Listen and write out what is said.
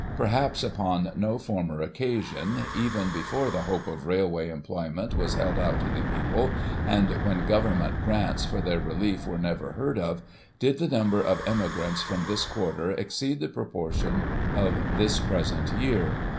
Perhaps, upon no former occasion, even be fore the hope of railway employment was held out to the people, and when " Government grants " for their relief were never heard of, did the number of emigrants from this quarter exceed the proportion of this present year.